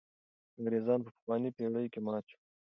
انګرېزان په پخوانۍ پېړۍ کې مات شول.